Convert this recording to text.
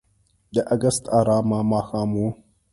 د اګست آرامه ماښام و.